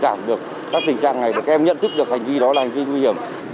giảm được các tình trạng này các em nhận thức được hành vi đó là hành vi nguy hiểm